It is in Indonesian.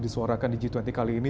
disuarakan di g dua puluh kali ini